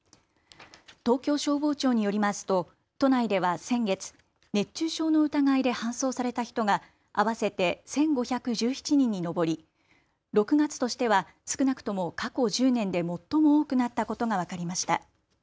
東京消防庁によりますと都内では先月、熱中症の疑いで搬送された人が合わせて１５１７人に上り６月としては少なくとも過去１０年で最も多くなったことが分かりました。